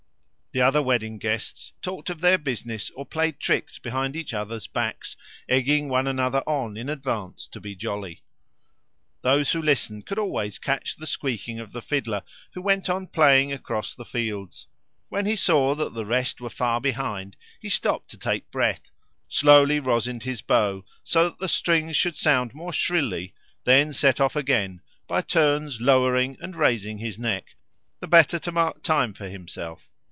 The other wedding guests talked of their business or played tricks behind each other's backs, egging one another on in advance to be jolly. Those who listened could always catch the squeaking of the fiddler, who went on playing across the fields. When he saw that the rest were far behind he stopped to take breath, slowly rosined his bow, so that the strings should sound more shrilly, then set off again, by turns lowering and raising his neck, the better to mark time for himself.